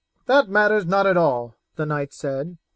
"That matters not at all," the knight said.